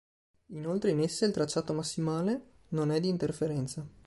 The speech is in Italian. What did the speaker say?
Inoltre in esse il tracciato massimale non è di interferenza.